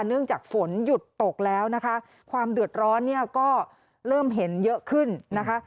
เนื่องจากฝนหยุดตกแล้วนะคะความเดือดร้อนเนี่ยก็เริ่มเห็นเยอะขึ้นนะคะ